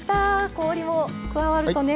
氷も加わるとね